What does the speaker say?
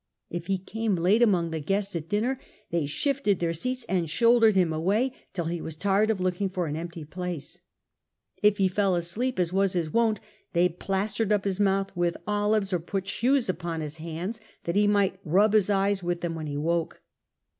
If he came late among the guests at dinner they shifted their seats and shouldered him away till he was tired of looking for an empty place ; if he fell asleep, as was his wont, they plastered up his mouth with olives, or put shoes upon his hands, that he might rub his eyes with them when he woke.